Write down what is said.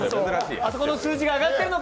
あそこの数字が上がっているのか